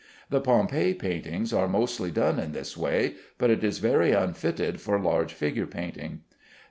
The Pompeii paintings are mostly done in this way, but it is very unfitted for large figure painting.